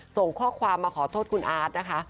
ส่งข้อความมาขอโทษคุณอาร์ตนะคะ